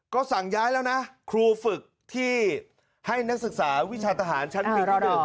ก็สั่งย้ายแล้วนะครูฝึกที่ให้นักศึกษาวิชาทหารชั้นปีที่๑